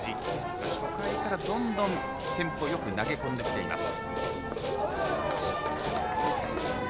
初回から、どんどんテンポよく投げ込んできています。